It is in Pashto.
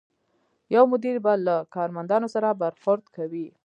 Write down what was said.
یو مدیر به له کارمندانو سره برخورد کوي.